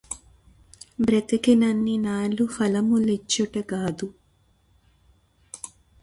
బ్రతికినన్నినాళ్ళు ఫలము లిచ్చుట గాదు